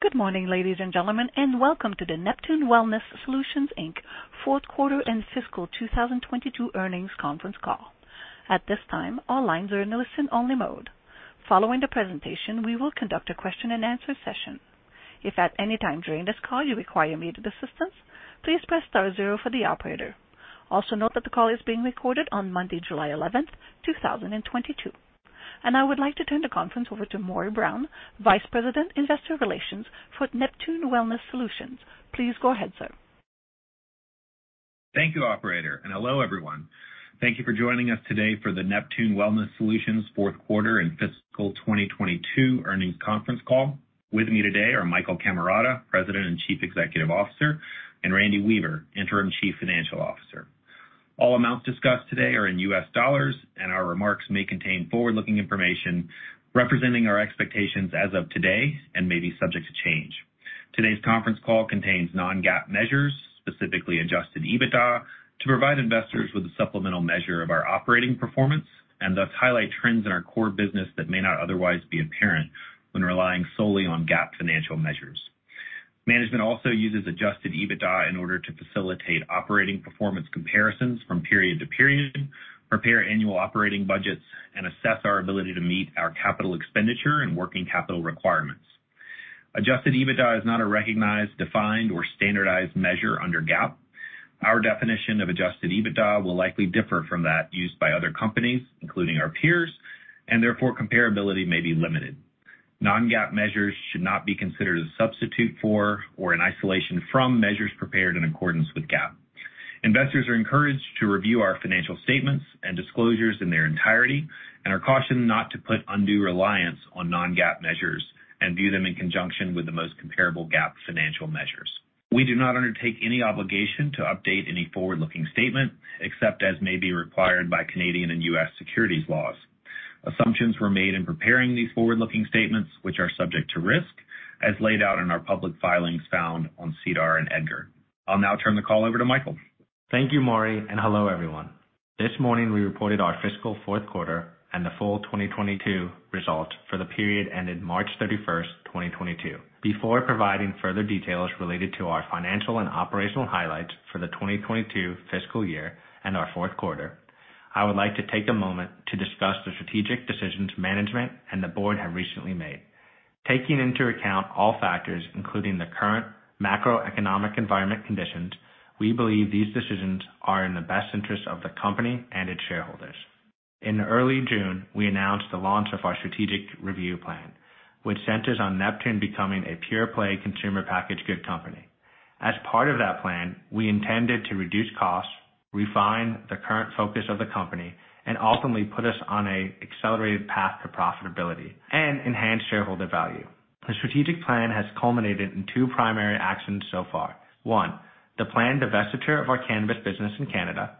Good morning, ladies and gentlemen, and welcome to the Neptune Wellness Solutions Inc. Fourth Quarter and Fiscal 2022 Earnings Conference Call. At this time, all lines are in listen-only mode. Following the presentation, we will conduct a question and answer session. If at any time during this call you require immediate assistance, please press star zero for the operator. Also note that the call is being recorded on Monday, July 11th, 2022. I would like to turn the conference over to Morry Brown, Vice President, Investor Relations for Neptune Wellness Solutions. Please go ahead, sir. Thank you, operator, and hello, everyone. Thank you for joining us today for the Neptune Wellness Solutions fourth quarter and fiscal 2022 earnings conference call. With me today are Michael Cammarata, President and Chief Executive Officer, and Randy Weaver, Interim Chief Financial Officer. All amounts discussed today are in U.S. dollars and our remarks may contain forward-looking information representing our expectations as of today and may be subject to change. Today's conference call contains non-GAAP measures, specifically adjusted EBITDA to provide investors with a supplemental measure of our operating performance and thus highlight trends in our core business that may not otherwise be apparent when relying solely on GAAP financial measures. Management also uses adjusted EBITDA in order to facilitate operating performance comparisons from period to period, prepare annual operating budgets, and assess our ability to meet our capital expenditure and working capital requirements. Adjusted EBITDA is not a recognized, defined, or standardized measure under GAAP. Our definition of adjusted EBITDA will likely differ from that used by other companies, including our peers, and therefore comparability may be limited. Non-GAAP measures should not be considered a substitute for or in isolation from measures prepared in accordance with GAAP. Investors are encouraged to review our financial statements and disclosures in their entirety and are cautioned not to put undue reliance on non-GAAP measures and view them in conjunction with the most comparable GAAP financial measures. We do not undertake any obligation to update any forward-looking statement, except as may be required by Canadian and U.S. securities laws. Assumptions were made in preparing these forward-looking statements which are subject to risk as laid out in our public filings found on SEDAR and EDGAR. I'll now turn the call over to Michael. Thank you, Morry, and hello, everyone. This morning we reported our fiscal fourth quarter and the full 2022 results for the period ended March 31st, 2022. Before providing further details related to our financial and operational highlights for the 2022 fiscal year and our fourth quarter, I would like to take a moment to discuss the strategic decisions management and the board have recently made. Taking into account all factors, including the current macroeconomic environment conditions, we believe these decisions are in the best interest of the company and its shareholders. In early June, we announced the launch of our strategic review plan, which centers on Neptune becoming a pure-play consumer packaged goods company. As part of that plan, we intended to reduce costs, refine the current focus of the company, and ultimately put us on a accelerated path to profitability and enhance shareholder value. The strategic plan has culminated in two primary actions so far. One, the planned divestiture of our cannabis business in Canada.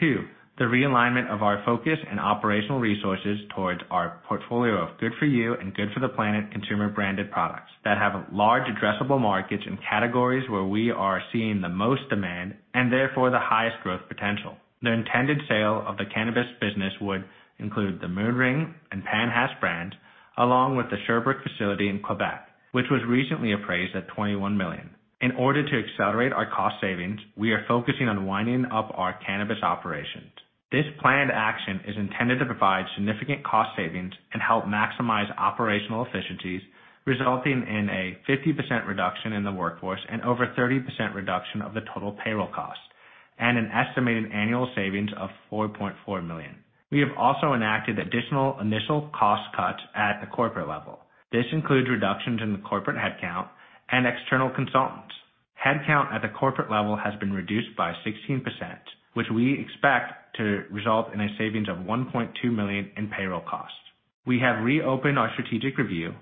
Two, the realignment of our focus and operational resources towards our portfolio of good for you and good for the planet consumer branded products that have large addressable markets in categories where we are seeing the most demand and therefore the highest growth potential. The intended sale of the cannabis business would include the Mood Ring and PanHash brands, along with the Sherbrooke facility in Quebec, which was recently appraised at $21 million. In order to accelerate our cost savings, we are focusing on winding up our cannabis operations. This planned action is intended to provide significant cost savings and help maximize operational efficiencies, resulting in a 50% reduction in the workforce and over 30% reduction of the total payroll cost and an estimated annual savings of $4.4 million. We have also enacted additional initial cost cuts at the corporate level. This includes reductions in the corporate headcount and external consultants. Headcount at the corporate level has been reduced by 16%, which we expect to result in a savings of $1.2 million in payroll costs. We have reopened our strategic review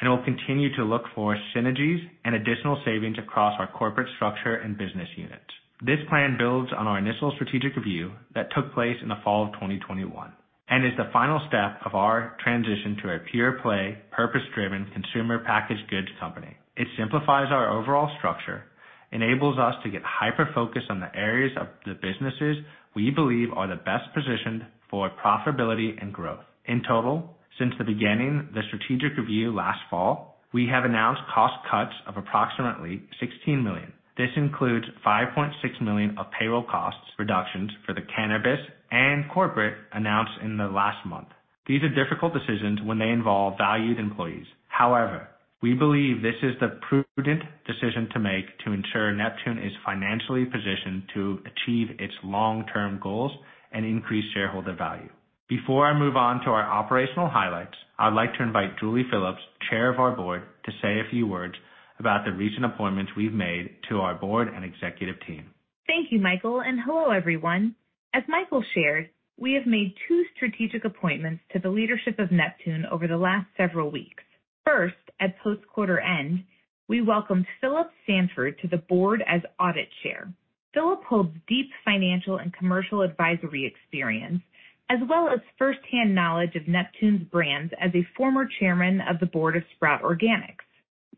and will continue to look for synergies and additional savings across our corporate structure and business units. This plan builds on our initial strategic review that took place in the fall of 2021 and is the final step of our transition to a pure-play, purpose-driven consumer packaged goods company. It simplifies our overall structure, enables us to get hyper-focused on the areas of the businesses we believe are the best positioned for profitability and growth. In total, since the beginning of the strategic review last fall, we have announced cost cuts of approximately $16 million. This includes $5.6 million of payroll costs reductions for the cannabis and corporate announced in the last month. These are difficult decisions when they involve valued employees. However, we believe this is the prudent decision to make to ensure Neptune is financially positioned to achieve its long-term goals and increase shareholder value. Before I move on to our operational highlights, I would like to invite Julie Phillips, Chair of our board, to say a few words about the recent appointments we've made to our board and executive team. Thank you, Michael, and hello, everyone. As Michael shared, we have made two strategic appointments to the leadership of Neptune over the last several weeks. First, at post quarter end, we welcomed Philip Sanford to the board as Audit Chair. Philip holds deep financial and commercial advisory experience, as well as first-hand knowledge of Neptune's brands as a former chairman of the board of Sprout Organics.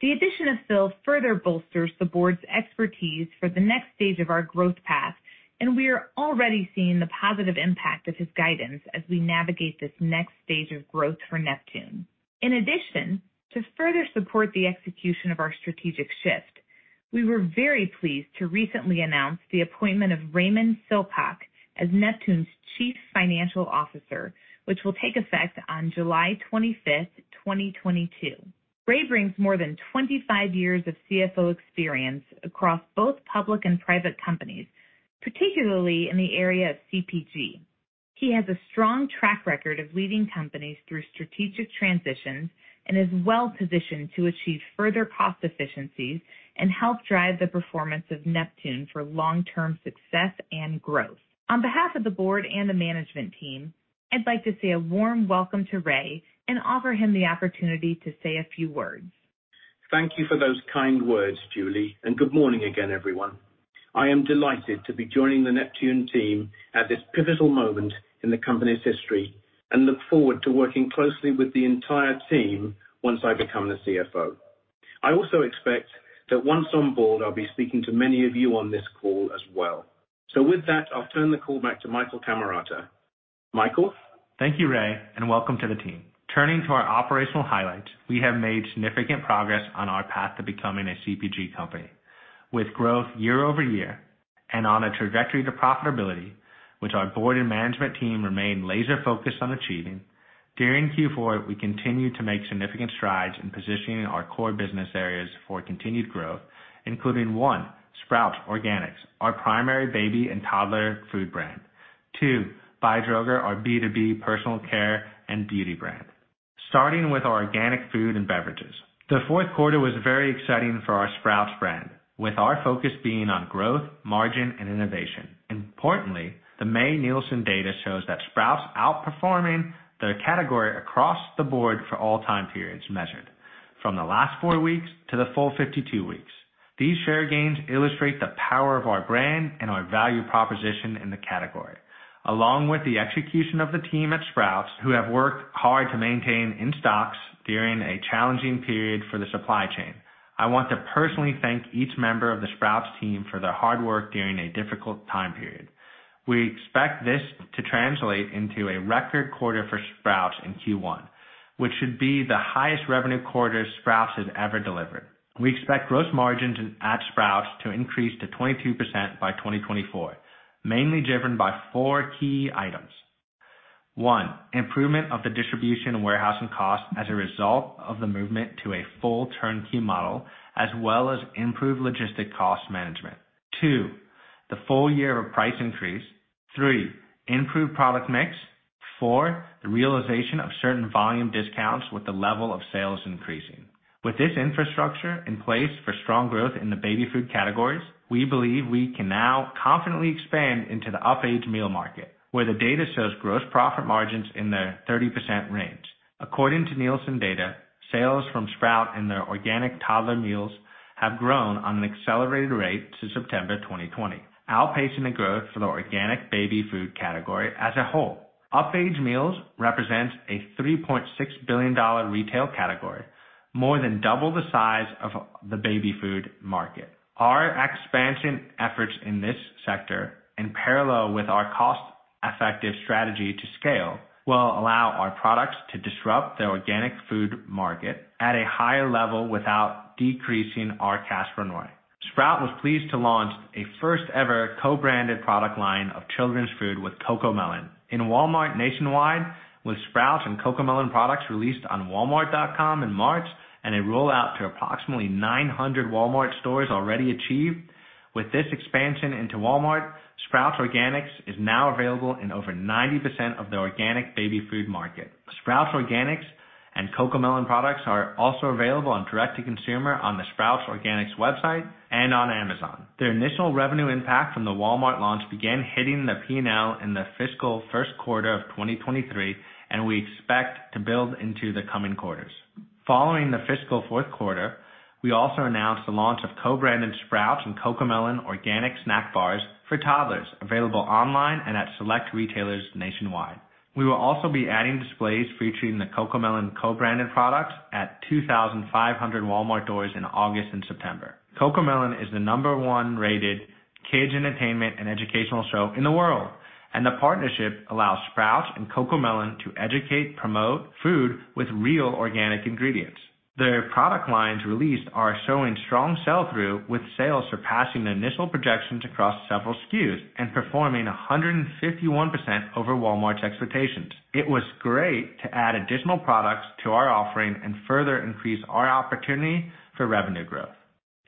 The addition of Phil further bolsters the board's expertise for the next stage of our growth path. We are already seeing the positive impact of his guidance as we navigate this next stage of growth for Neptune. In addition, to further support the execution of our strategic shift, we were very pleased to recently announce the appointment of Raymond Silcock as Neptune's Chief Financial Officer, which will take effect on July 25th, 2022. Ray brings more than 25 years of CFO experience across both public and private companies, particularly in the area of CPG. He has a strong track record of leading companies through strategic transitions and is well-positioned to achieve further cost efficiencies and help drive the performance of Neptune for long-term success and growth. On behalf of the board and the management team, I'd like to say a warm welcome to Ray and offer him the opportunity to say a few words. Thank you for those kind words, Julie, and good morning again, everyone. I am delighted to be joining the Neptune team at this pivotal moment in the company's history and look forward to working closely with the entire team once I become the CFO. I also expect that once on board, I'll be speaking to many of you on this call as well. With that, I'll turn the call back to Michael Cammarata. Michael? Thank you, Ray, and welcome to the team. Turning to our operational highlights, we have made significant progress on our path to becoming a CPG company. With growth year-over-year and on a trajectory to profitability, which our board and management team remain laser-focused on achieving. During Q4, we continued to make significant strides in positioning our core business areas for continued growth, including one, Sprout Organics, our primary baby and toddler food brand. Two, Biodroga, our B2B personal care and beauty brand. Starting with our organic food and beverages. The fourth quarter was very exciting for our Sprout brand, with our focus being on growth, margin, and innovation. Importantly, the May Nielsen data shows that Sprout outperforming their category across the board for all time periods measured, from the last four weeks to the full 52 weeks. These share gains illustrate the power of our brand and our value proposition in the category. Along with the execution of the team at Sprout, who have worked hard to maintain in-stocks during a challenging period for the supply chain. I want to personally thank each member of the Sprout team for their hard work during a difficult time period. We expect this to translate into a record quarter for Sprout in Q1, which should be the highest revenue quarter Sprout has ever delivered. We expect gross margins at Sprout to increase to 22% by 2024, mainly driven by four key items. One, improvement of the distribution and warehousing costs as a result of the movement to a full turnkey model, as well as improved logistics cost management. Two, the full year of a price increase. Three, improved product mix. Four, the realization of certain volume discounts with the level of sales increasing. With this infrastructure in place for strong growth in the baby food categories, we believe we can now confidently expand into the up-age meal market, where the data shows gross profit margins in the 30% range. According to Nielsen data, sales from Sprout and their organic toddler meals have grown on an accelerated rate to September 2020, outpacing the growth for the organic baby food category as a whole. Up-age meals represent a $3.6 billion retail category, more than double the size of the baby food market. Our expansion efforts in this sector, in parallel with our cost-effective strategy to scale, will allow our products to disrupt the organic food market at a higher level without decreasing our cash burn rate. Sprout Organics was pleased to launch a first-ever co-branded product line of children's food with CoComelon in Walmart nationwide, with Sprout Organics and CoComelon products released on walmart.com in March and a rollout to approximately 900 Walmart stores already achieved. With this expansion into Walmart, Sprout Organics is now available in over 90% of the organic baby food market. Sprout Organics and CoComelon products are also available on direct-to-consumer on the Sprout Organics website and on Amazon. The initial revenue impact from the Walmart launch began hitting the P&L in the fiscal first quarter of 2023, and we expect to build into the coming quarters. Following the fiscal fourth quarter, we also announced the launch of co-branded Sprout Organics and CoComelon organic snack bars for toddlers, available online and at select retailers nationwide. We will also be adding displays featuring the CoComelon co-branded products at 2,500 Walmart stores in August and September. CoComelon is the number one rated kids' entertainment and educational show in the world, and the partnership allows Sprout and CoComelon to educate, promote food with real organic ingredients. Their product lines released are showing strong sell-through, with sales surpassing the initial projections across several SKUs and performing 151% over Walmart's expectations. It was great to add additional products to our offering and further increase our opportunity for revenue growth.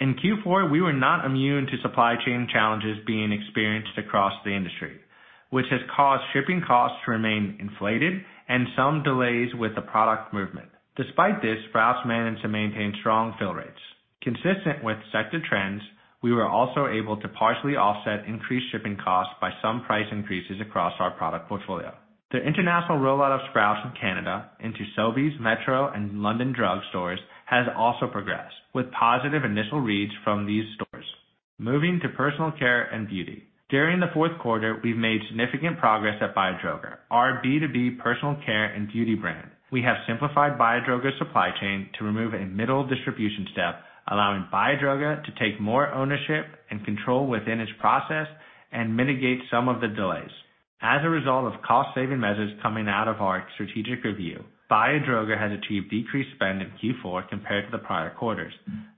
In Q4, we were not immune to supply chain challenges being experienced across the industry, which has caused shipping costs to remain inflated and some delays with the product movement. Despite this, Sprout managed to maintain strong fill rates. Consistent with sector trends, we were also able to partially offset increased shipping costs by some price increases across our product portfolio. The international rollout of Sprout in Canada into Sobeys, Metro, and London Drugs has also progressed, with positive initial reads from these stores. Moving to personal care and beauty. During the fourth quarter, we've made significant progress at Biodroga, our B2B personal care and beauty brand. We have simplified Biodroga's supply chain to remove a middle distribution step, allowing Biodroga to take more ownership and control within its process and mitigate some of the delays. As a result of cost saving measures coming out of our strategic review, Biodroga has achieved decreased spend in Q4 compared to the prior quarters.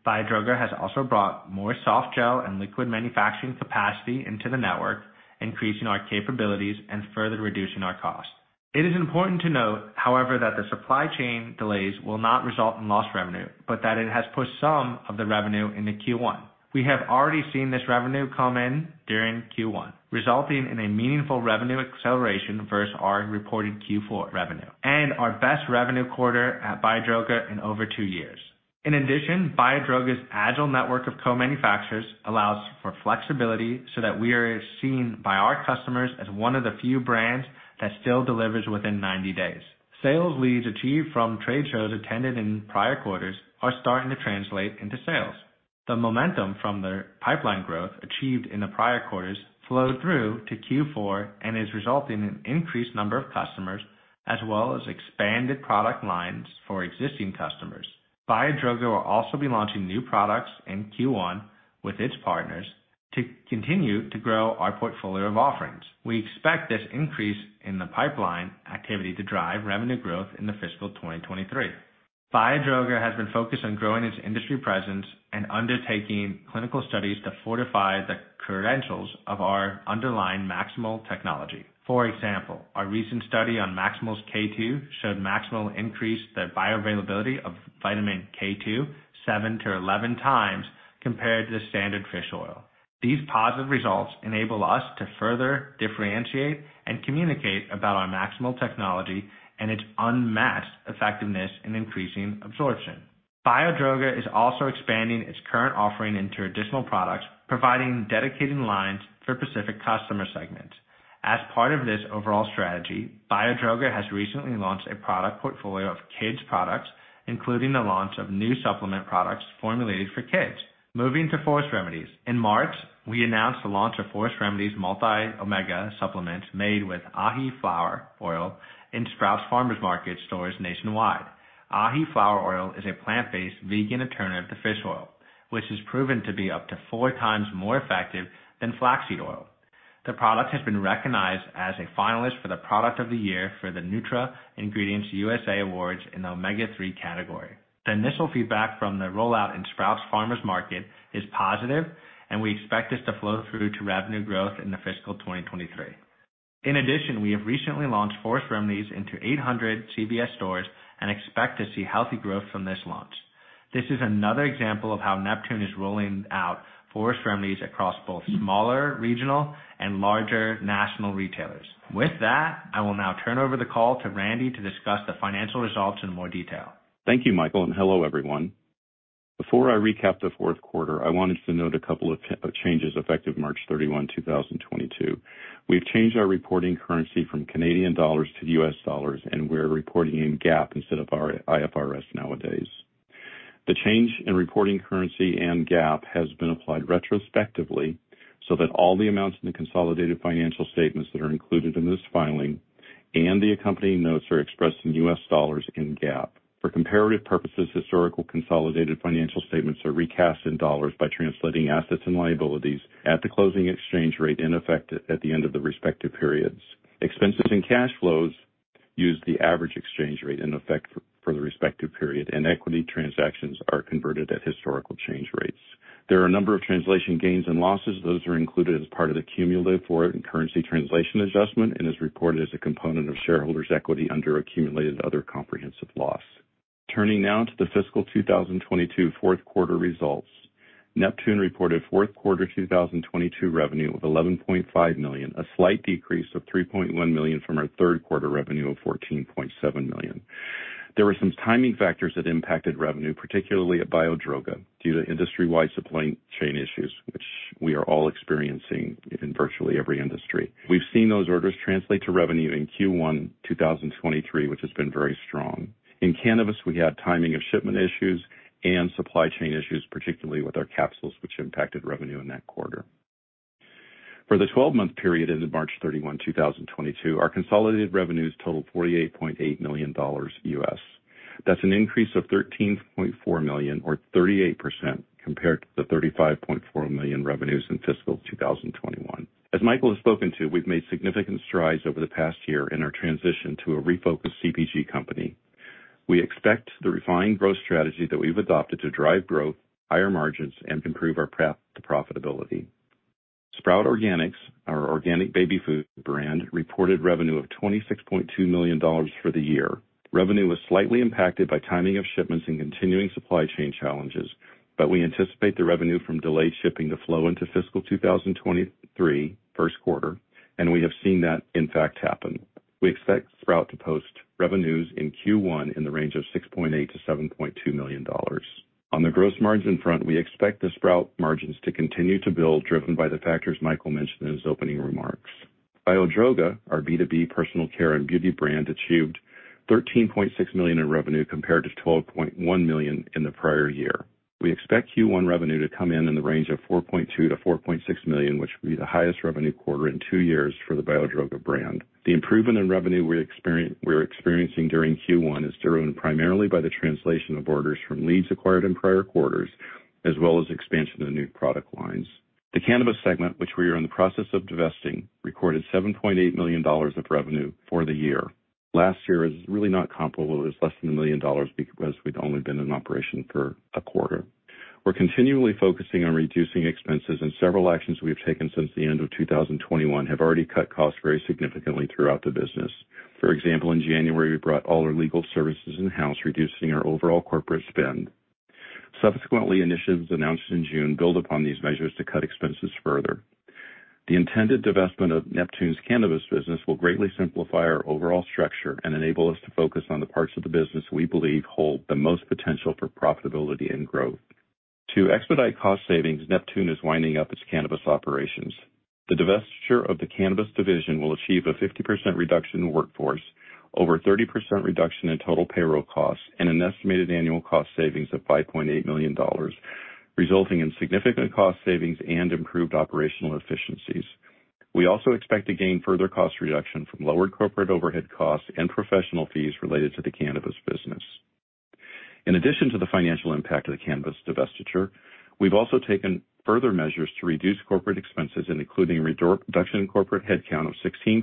Biodroga has also brought more soft gel and liquid manufacturing capacity into the network, increasing our capabilities and further reducing our cost. It is important to note, however, that the supply chain delays will not result in lost revenue, but that it has pushed some of the revenue into Q1. We have already seen this revenue come in during Q1, resulting in a meaningful revenue acceleration versus our reported Q4 revenue and our best revenue quarter at Biodroga in over two years. In addition, Biodroga's agile network of co-manufacturers allows for flexibility so that we are seen by our customers as one of the few brands that still delivers within 90 days. Sales leads achieved from trade shows attended in prior quarters are starting to translate into sales. The momentum from the pipeline growth achieved in the prior quarters flowed through to Q4 and is resulting in increased number of customers as well as expanded product lines for existing customers. Biodroga will also be launching new products in Q1 with its partners to continue to grow our portfolio of offerings. We expect this increase in the pipeline activity to drive revenue growth in the fiscal 2023. Biodroga has been focused on growing its industry presence and undertaking clinical studies to fortify the credentials of our underlying MaxSimil technology. For example, our recent study on MaxSimil K2 showed MaxSimil increased the bioavailability of vitamin K2 7x-11x compared to the standard fish oil. These positive results enable us to further differentiate and communicate about our MaxSimil technology and its unmatched effectiveness in increasing absorption. Biodroga is also expanding its current offering into additional products, providing dedicated lines for specific customer segments. As part of this overall strategy, Biodroga has recently launched a product portfolio of kids products, including the launch of new supplement products formulated for kids. Moving to Forest Remedies. In March, we announced the launch of Forest Remedies multi-omega supplements made with Ahiflower oil in Sprouts Farmers Market stores nationwide. Ahiflower oil is a plant-based vegan alternative to fish oil, which is proven to be up to four times more effective than flaxseed oil. The product has been recognized as a finalist for the product of the year for the NutraIngredients-USA Awards in the omega-3 category. The initial feedback from the rollout in Sprouts Farmers Market is positive, and we expect this to flow through to revenue growth in the fiscal 2023. In addition, we have recently launched Forest Remedies into 800 CVS stores and expect to see healthy growth from this launch. This is another example of how Neptune is rolling out Forest Remedies across both smaller, regional and larger national retailers. With that, I will now turn over the call to Randy to discuss the financial results in more detail. Thank you, Michael, and hello, everyone. Before I recap the fourth quarter, I wanted to note a couple of changes effective March 31, 2022. We've changed our reporting currency from Canadian dollars to U.S. dollars, and we're reporting in GAAP instead of our IFRS nowadays. The change in reporting currency and GAAP has been applied retrospectively so that all the amounts in the consolidated financial statements that are included in this filing and the accompanying notes are expressed in U.S. dollars in GAAP. For comparative purposes, historical consolidated financial statements are recast in dollars by translating assets and liabilities at the closing exchange rate in effect at the end of the respective periods. Expenses and cash flows use the average exchange rate in effect for the respective period, and equity transactions are converted at historical exchange rates. There are a number of translation gains and losses. Those are included as part of the cumulative foreign currency translation adjustment and is reported as a component of shareholders equity under accumulated other comprehensive loss. Turning now to the fiscal 2022 fourth quarter results. Neptune reported fourth quarter 2022 revenue of $11.5 million, a slight decrease of $3.1 million from our third quarter revenue of $14.7 million. There were some timing factors that impacted revenue, particularly at Biodroga, due to industry-wide supply chain issues, which we are all experiencing in virtually every industry. We've seen those orders translate to revenue in Q1 2023, which has been very strong. In cannabis, we had timing of shipment issues and supply chain issues, particularly with our capsules, which impacted revenue in that quarter. For the 12-month period ended March 31, 2022, our consolidated revenues totaled $48.8 million. That's an increase of $13.4 million or 38% compared to the $35.4 million revenues in fiscal 2021. As Michael has spoken to, we've made significant strides over the past year in our transition to a refocused CPG company. We expect the refined growth strategy that we've adopted to drive growth, higher margins, and improve our path to profitability. Sprout Organics, our organic baby food brand, reported revenue of $26.2 million for the year. Revenue was slightly impacted by timing of shipments and continuing supply chain challenges, but we anticipate the revenue from delayed shipping to flow into fiscal 2023 first quarter, and we have seen that in fact happen. We expect Sprout to post revenues in Q1 in the range of $6.8 million-$7.2 million. On the gross margin front, we expect the Sprout margins to continue to build, driven by the factors Michael mentioned in his opening remarks. Biodroga, our B2B personal care and beauty brand, achieved $13.6 million in revenue compared to $12.1 million in the prior year. We expect Q1 revenue to come in in the range of $4.2 million-$4.6 million, which will be the highest revenue quarter in two years for the Biodroga brand. The improvement in revenue we're experiencing during Q1 is driven primarily by the translation of orders from leads acquired in prior quarters as well as expansion of the new product lines. The cannabis segment, which we are in the process of divesting, recorded $7.8 million of revenue for the year. Last year is really not comparable. It was less than $1 million because we'd only been in operation for a quarter. We're continually focusing on reducing expenses, and several actions we have taken since the end of 2021 have already cut costs very significantly throughout the business. For example, in January, we brought all our legal services in-house, reducing our overall corporate spend. Subsequently, initiatives announced in June build upon these measures to cut expenses further. The intended divestment of Neptune's cannabis business will greatly simplify our overall structure and enable us to focus on the parts of the business we believe hold the most potential for profitability and growth. To expedite cost savings, Neptune is winding up its cannabis operations. The divestiture of the cannabis division will achieve a 50% reduction in workforce, over 30% reduction in total payroll costs, and an estimated annual cost savings of $5.8 million, resulting in significant cost savings and improved operational efficiencies. We also expect to gain further cost reduction from lowered corporate overhead costs and professional fees related to the cannabis business. In addition to the financial impact of the cannabis divestiture, we've also taken further measures to reduce corporate expenses including reduction in corporate headcount of 16%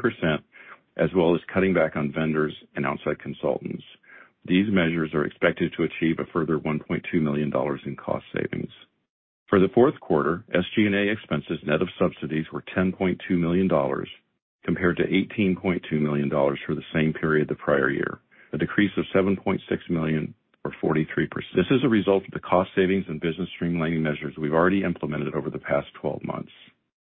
as well as cutting back on vendors and outside consultants. These measures are expected to achieve a further $1.2 million in cost savings. For the fourth quarter, SG&A expenses net of subsidies were $10.2 million compared to $18.2 million for the same period the prior year, a decrease of $7.6 million or 43%. This is a result of the cost savings and business streamlining measures we've already implemented over the past 12 months.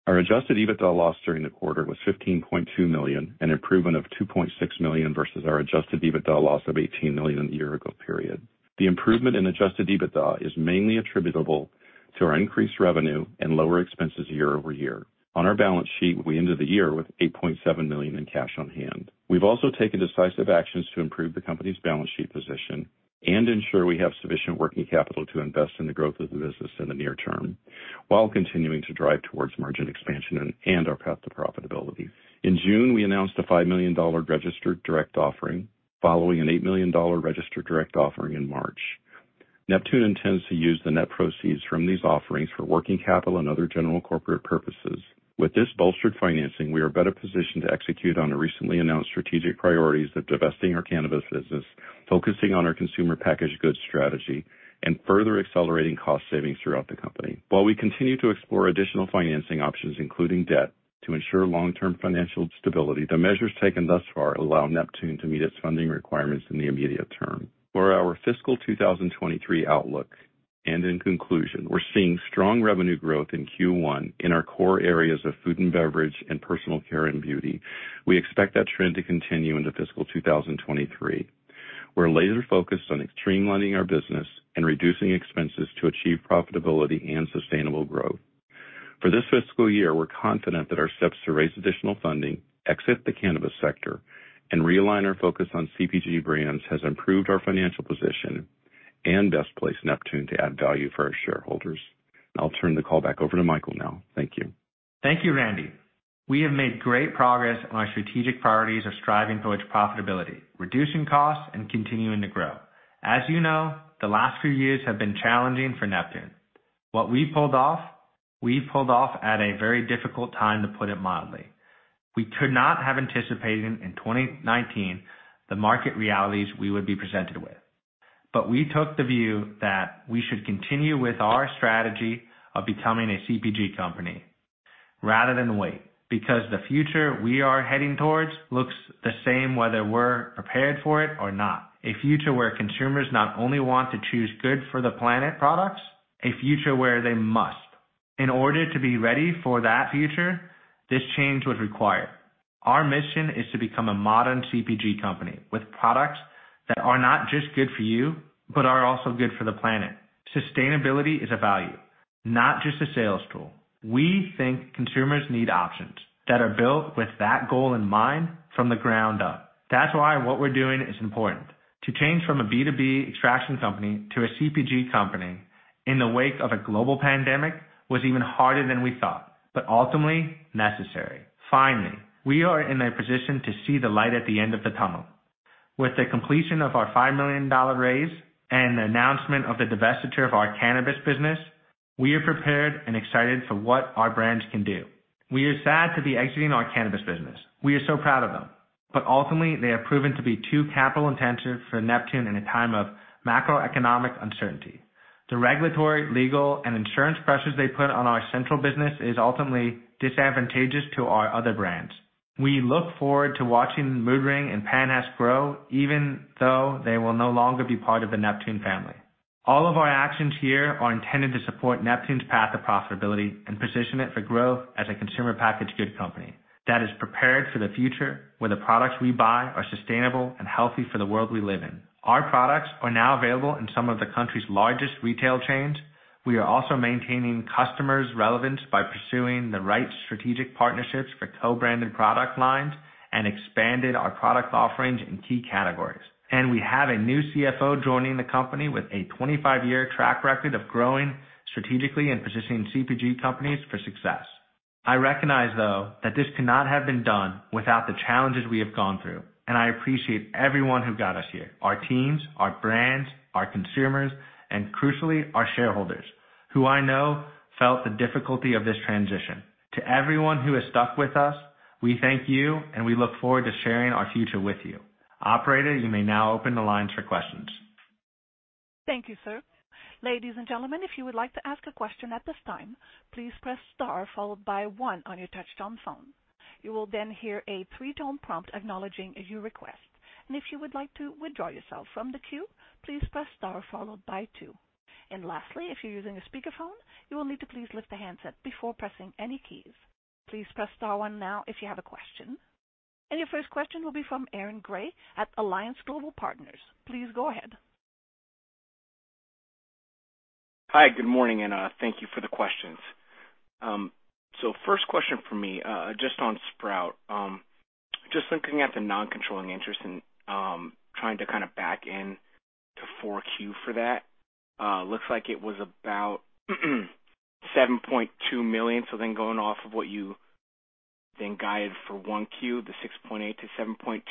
Our adjusted EBITDA loss during the quarter was $15.2 million, an improvement of $2.6 million versus our adjusted EBITDA loss of $18 million a year ago period. The improvement in adjusted EBITDA is mainly attributable to our increased revenue and lower expenses year-over-year. On our balance sheet, we ended the year with $8.7 million in cash on hand. We've also taken decisive actions to improve the company's balance sheet position and ensure we have sufficient working capital to invest in the growth of the business in the near term while continuing to drive towards margin expansion and our path to profitability. In June, we announced a $5 million registered direct offering following an $8 million registered direct offering in March. Neptune intends to use the net proceeds from these offerings for working capital and other general corporate purposes. With this bolstered financing, we are better positioned to execute on the recently announced strategic priorities of divesting our cannabis business, focusing on our consumer packaged goods strategy, and further accelerating cost savings throughout the company. While we continue to explore additional financing options, including debt, to ensure long-term financial stability, the measures taken thus far allow Neptune to meet its funding requirements in the immediate term. For our fiscal 2023 outlook and in conclusion, we're seeing strong revenue growth in Q1 in our core areas of food and beverage and personal care and beauty. We expect that trend to continue into fiscal 2023. We're laser-focused on streamlining our business and reducing expenses to achieve profitability and sustainable growth. For this fiscal year, we're confident that our steps to raise additional funding, exit the cannabis sector, and realign our focus on CPG brands has improved our financial position and best positions Neptune to add value for our shareholders. I'll turn the call back over to Michael now. Thank you. Thank you, Randy. We have made great progress on our strategic priorities of striving towards profitability, reducing costs, and continuing to grow. As you know, the last few years have been challenging for Neptune. What we pulled off, we pulled off at a very difficult time, to put it mildly. We could not have anticipated in 2019 the market realities we would be presented with. We took the view that we should continue with our strategy of becoming a CPG company rather than wait, because the future we are heading towards looks the same whether we're prepared for it or not. A future where consumers not only want to choose good for the planet products, a future where they must. In order to be ready for that future, this change was required. Our mission is to become a modern CPG company with products that are not just good for you, but are also good for the planet. Sustainability is a value, not just a sales tool. We think consumers need options that are built with that goal in mind from the ground up. That's why what we're doing is important. To change from a B2B extraction company to a CPG company in the wake of a global pandemic was even harder than we thought, but ultimately necessary. Finally, we are in a position to see the light at the end of the tunnel. With the completion of our $5 million raise and the announcement of the divestiture of our cannabis business, we are prepared and excited for what our brands can do. We are sad to be exiting our cannabis business. We are so proud of them, but ultimately they have proven to be too capital-intensive for Neptune in a time of macroeconomic uncertainty. The regulatory, legal, and insurance pressures they put on our central business is ultimately disadvantageous to our other brands. We look forward to watching Mood Ring and PanHash grow even though they will no longer be part of the Neptune family. All of our actions here are intended to support Neptune's path to profitability and position it for growth as a consumer packaged goods company that is prepared for the future where the products we buy are sustainable and healthy for the world we live in. Our products are now available in some of the country's largest retail chains. We are also maintaining customers' relevance by pursuing the right strategic partnerships for co-branded product lines and expanded our product offerings in key categories. We have a new CFO joining the company with a 25-year track record of growing strategically and positioning CPG companies for success. I recognize, though, that this could not have been done without the challenges we have gone through, and I appreciate everyone who got us here, our teams, our brands, our consumers, and crucially, our shareholders, who I know felt the difficulty of this transition. To everyone who has stuck with us, we thank you, and we look forward to sharing our future with you. Operator, you may now open the lines for questions. Thank you, sir. Ladies and gentlemen, if you would like to ask a question at this time, please press star followed by one on your touchtone phone. You will then hear a three-tone prompt acknowledging your request. If you would like to withdraw yourself from the queue, please press star followed by two. Lastly, if you're using a speakerphone, you will need to please lift the handset before pressing any keys. Please press star one now if you have a question. Your first question will be from Aaron Grey at Alliance Global Partners. Please go ahead. Hi, good morning, thank you for the questions. First question from me, just on Sprout. Just looking at the non-controlling interest and trying to kind of back in to Q4 for that, looks like it was about $7.2 million. Going off of what you then guided for Q1, the $6.8 million-$7.2 million,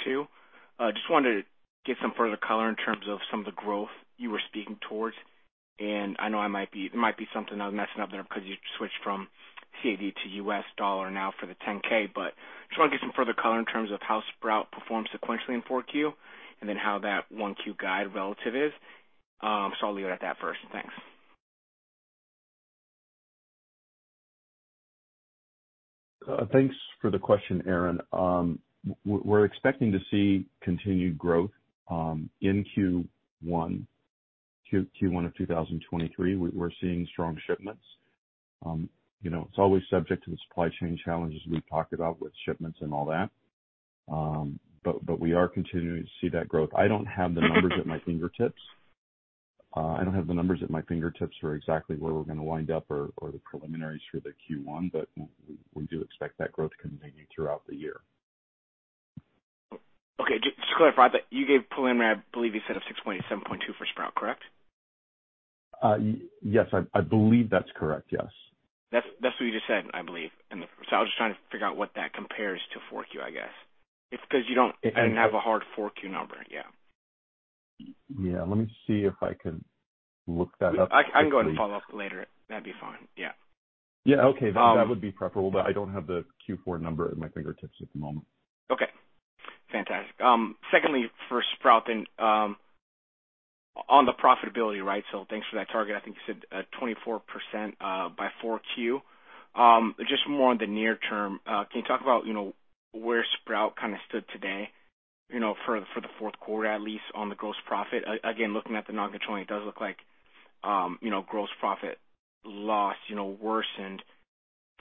just wanted to get some further color in terms of some of the growth you were speaking towards. I know there might be something I'm messing up there because you switched from CAD to U.S. dollar now for the 10-K. Just wanna get some further color in terms of how Sprout performs sequentially in Q4 and then how that Q1 guide relative is. I'll leave it at that first. Thanks. Thanks for the question, Aaron. We're expecting to see continued growth in Q1. Q1 of 2023, we're seeing strong shipments. You know, it's always subject to the supply chain challenges we've talked about with shipments and all that. But we are continuing to see that growth. I don't have the numbers at my fingertips. I don't have the numbers at my fingertips for exactly where we're gonna wind up or the preliminaries for the Q1, but we do expect that growth to continue throughout the year. Okay, just to clarify, but you gave preliminary, I believe you said of 6.8, 7.2 for Sprout, correct? Yes, I believe that's correct, yes. That's what you just said, I believe. I was just trying to figure out what that compares to Q4, I guess. It's 'cause you don't have a hard Q4 number. Yeah. Yeah. Let me see if I can look that up quickly. I can go ahead and follow up later. That'd be fine. Yeah. Yeah, okay. That would be preferable, but I don't have the Q4 number at my fingertips at the moment. Okay. Fantastic. Secondly, for Sprout then, on the profitability, right? Thanks for that target. I think you said, 24%, by Q4. Just more on the near term, can you talk about, you know, where Sprout kinda stood today, you know, for the fourth quarter, at least on the gross profit? Again, looking at the non-controlling, it does look like, you know, gross profit loss, you know, worsened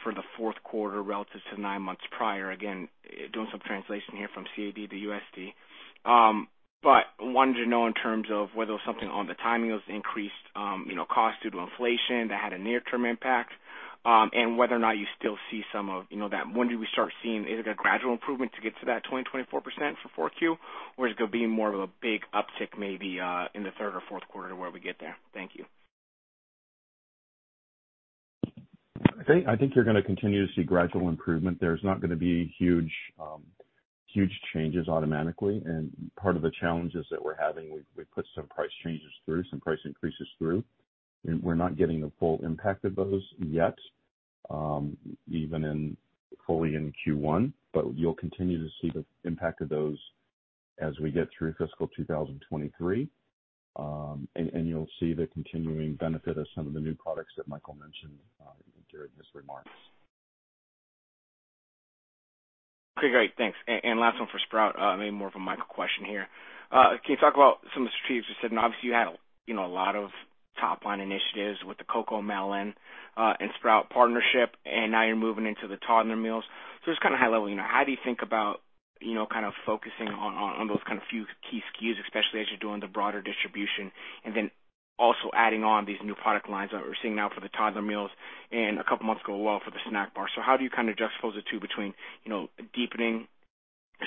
for the fourth quarter relative to nine months prior. Again, doing some translation here from CAD to USD. Wanted to know in terms of whether it was something on the timing, it was increased, you know, cost due to inflation that had a near-term impact, and whether or not you still see some of, you know, that. When do we start seeing? Is it a gradual improvement to get to that 24% for Q4? Or is it gonna be more of a big uptick maybe in the third or fourth quarter where we get there? Thank you. I think you're gonna continue to see gradual improvement. There's not gonna be huge changes automatically. Part of the challenges that we're having, we put some price changes through, some price increases through, and we're not getting the full impact of those yet, even fully in Q1. You'll continue to see the impact of those as we get through fiscal 2023, and you'll see the continuing benefit of some of the new products that Michael mentioned during his remarks. Okay, great. Thanks. Last one for Sprout, maybe more of a Michael question here. Can you talk about some of the strategies you said, and obviously you had, you know, a lot of top line initiatives with the CoComelon, and Sprout partnership, and now you're moving into the toddler meals. Just kinda high level, you know, how do you think about, you know, kind of focusing on those kind of few key SKUs, especially as you're doing the broader distribution and then also adding on these new product lines that we're seeing now for the toddler meals and a couple months ago as well for the snack bar. How do you kinda juxtapose the two between, you know, deepening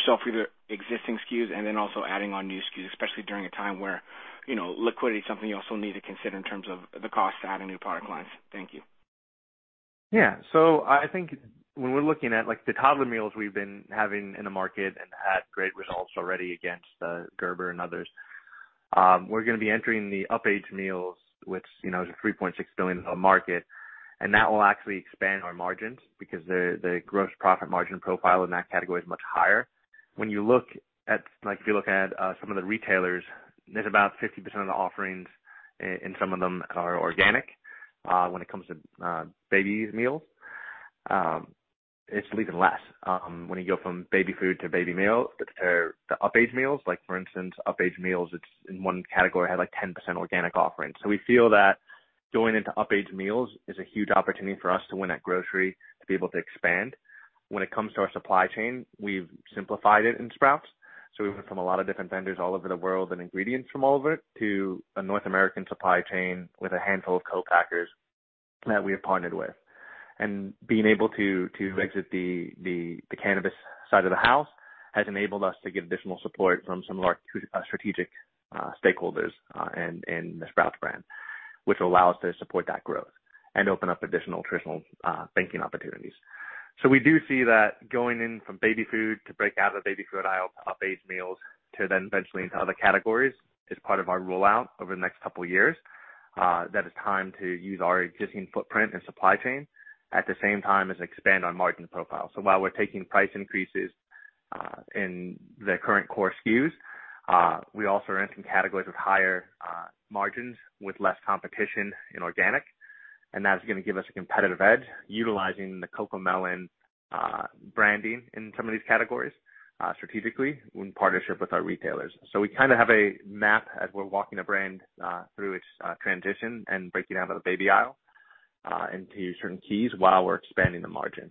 shelf either existing SKUs and then also adding on new SKUs, especially during a time where, you know, liquidity is something you also need to consider in terms of the cost to adding new product lines? Thank you. I think when we're looking at, like, the toddler meals we've been having in the market and had great results already against Gerber and others, we're gonna be entering the upstage meals, which, you know, is a $3.6 billion market, and that will actually expand our margins because the gross profit margin profile in that category is much higher. Like, if you look at some of the retailers, there's about 50% of the offerings in some of them are organic when it comes to baby meals. It's even less when you go from baby food to baby meal or the upstage meals, like for instance, upstage meals, it's in one category had like 10% organic offerings. We feel that going into up-age meals is a huge opportunity for us to win at grocery to be able to expand. When it comes to our supply chain, we've simplified it in Sprouts. We went from a lot of different vendors all over the world and ingredients from all over it to a North American supply chain with a handful of co-packers that we have partnered with. Being able to exit the cannabis side of the house has enabled us to get additional support from some of our strategic stakeholders in the Sprouts brand, which will allow us to support that growth and open up additional traditional banking opportunities. We do see that going in from baby food to break out of the baby food aisle, up age meals to then eventually into other categories is part of our rollout over the next couple years. That is timed to use our existing footprint and supply chain at the same time as expand on margin profile. While we're taking price increases in the current core SKUs, we also are in some categories with higher margins, with less competition in organic, and that's gonna give us a competitive edge utilizing the CoComelon branding in some of these categories, strategically in partnership with our retailers. We kinda have a map as we're walking the brand through its transition and breaking out of the baby aisle into certain keys while we're expanding the margin.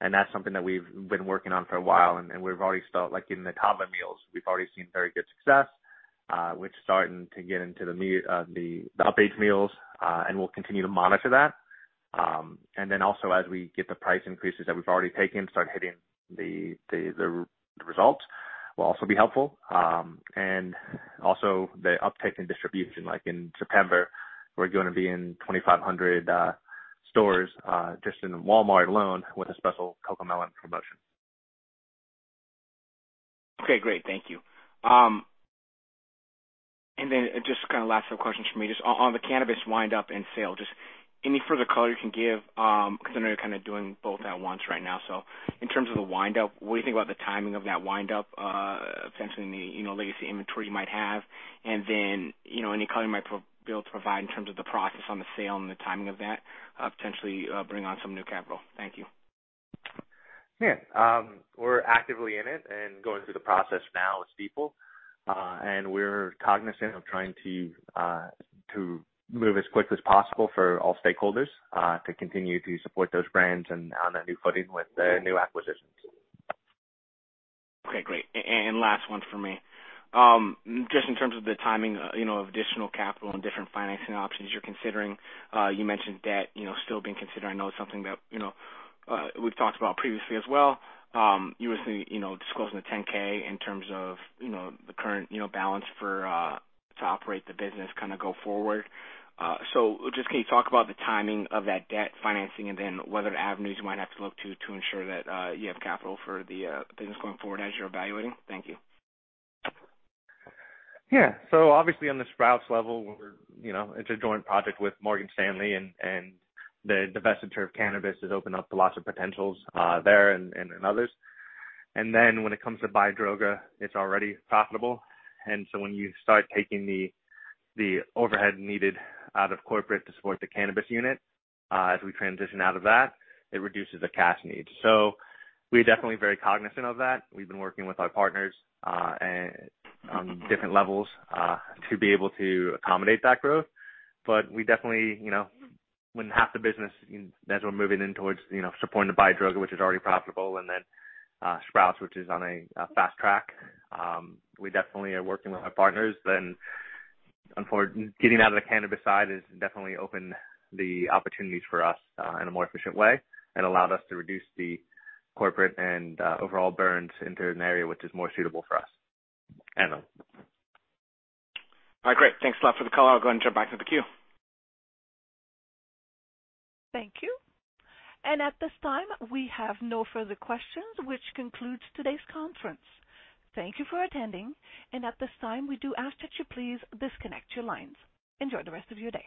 That's something that we've been working on for a while, like in the toddler meals, we've already seen very good success. We're starting to get into the up age meals, and we'll continue to monitor that. As we get the price increases that we've already taken start hitting the results will also be helpful. Also the uptake in distribution, like in September, we're gonna be in 2,500 stores just in Walmart alone with a special CoComelon promotion. Okay, great. Thank you. Just kinda last few questions for me. Just on the cannabis wind up and sale, just any further color you can give, 'cause I know you're kinda doing both at once right now. In terms of the wind up, what do you think about the timing of that wind up, potentially in the, you know, legacy inventory you might have? You know, any color you might probably able to provide in terms of the process on the sale and the timing of that, potentially bring on some new capital. Thank you. Yeah. We're actively in it and going through the process now with people. We're cognizant of trying to move as quickly as possible for all stakeholders to continue to support those brands and on a new footing with the new acquisitions. Okay, great. Last one for me. Just in terms of the timing, you know, of additional capital and different financing options you're considering, you mentioned debt, you know, still being considered. I know it's something that, you know, we've talked about previously as well. You were saying, you know, disclosing the 10-K in terms of, you know, the current, you know, balance for to operate the business kinda go forward. Just can you talk about the timing of that debt financing and then what other avenues you might have to look to ensure that you have capital for the business going forward as you're evaluating? Thank you. Yeah. Obviously on the Sprout level, we're, you know, it's a joint project with Morgan Stanley and the divestiture of cannabis has opened up lots of potentials there and others. When it comes to Biodroga, it's already profitable. When you start taking the overhead needed out of corporate to support the cannabis unit, as we transition out of that, it reduces the cash needs. We're definitely very cognizant of that. We've been working with our partners on different levels to be able to accommodate that growth. We definitely, you know, when half the business, as we're moving in towards, you know, supporting the Biodroga, which is already profitable, and then Sprout, which is on a fast track, we definitely are working with our partners. Getting out of the cannabis side has definitely opened the opportunities for us in a more efficient way and allowed us to reduce the corporate and overall burns into an area which is more suitable for us and them. All right, great. Thanks a lot for the call. I'll go and jump back to the queue. Thank you. At this time, we have no further questions, which concludes today's conference. Thank you for attending. At this time, we do ask that you please disconnect your lines. Enjoy the rest of your day.